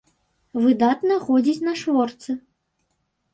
Выдатна ходзіць на шворцы.